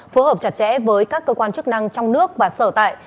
phối hợp chặt chẽ với các cơ quan chức năng trong nước và sở tại